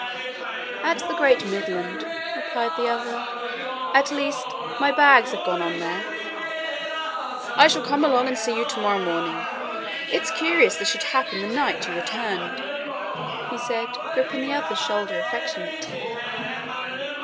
"At the Great Midland," replied the other, "at least my bags have gone on there." "I'll come along and see you to morrow morning. It's curious this should have happened the night you returned," he said, gripping the other's shoulder affectionately.